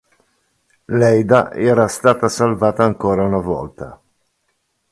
Leida era stata salvata ancora una volta.